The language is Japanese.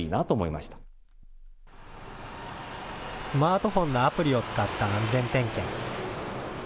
スマートフォンのアプリを使った安全点検。